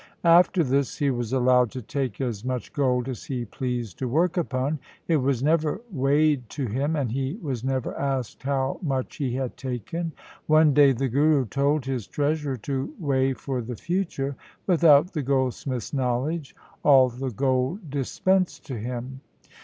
After this he was allowed to take as much gold as he pleased to work upon. It was never weighed to him, and he was never asked how much he had taken. One day the Guru told his treasurer to weigh for the future, without the gold smith's knowledge, all the gold dispensed to him.